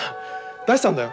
出したんだよ。